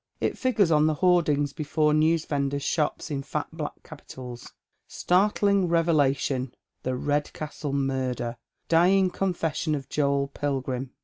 It figures on the hoardings before newsvendors' shops in fat black capitals :— "Starthng Revelation — The Redcastle Murder — Dying Con fession of Joel Pilgrim